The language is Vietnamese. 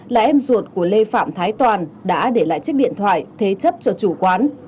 là em ruột của lê phạm thái toàn đã để lại chiếc điện thoại thế chấp cho chủ quán